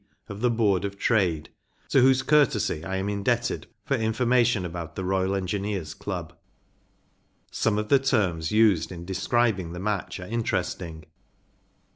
of the Board of Trade, to whose courtesy I am indebted for information about the Royal Engineers Club. Some of the terms used in describing the match are interesting.